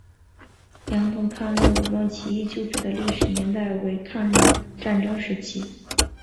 良垌抗日武装起义旧址的历史年代为抗日战争时期。